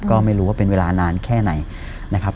ก็ไม่รู้ว่าเป็นเวลานานแค่ไหนนะครับ